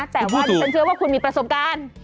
แต่ว่าคุณมีประสบการณ์